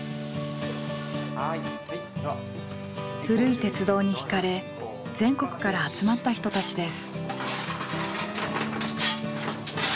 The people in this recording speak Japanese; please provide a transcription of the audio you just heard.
古い鉄道にひかれ全国から集まった人たちです。